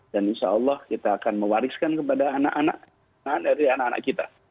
dan insya allah kita akan mewariskan kepada anak anak anak dari anak anak kita